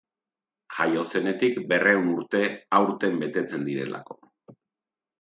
Jaio zenetik berrehun urte aurten betetzen direlako.